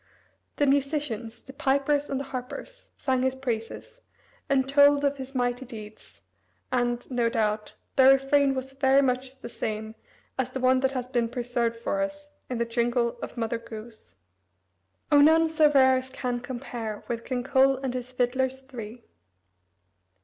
The musicians the pipers and the harpers sang his praises, and told of his mighty deeds, and, no doubt, their refrain was very much the same as the one that has been preserved for us in the jingle of Mother Goose: "O, none so rare as can compare With King Cole and his fiddlers three."